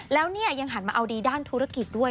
แล้วเนี่ยยังหันมาเอาดีด้านธุรกิจด้วย